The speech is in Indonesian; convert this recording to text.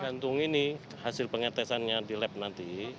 tergantung ini hasil pengetesannya di lab nanti